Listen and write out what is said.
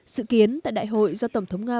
sự kiến tại đại hội do tổng thống nga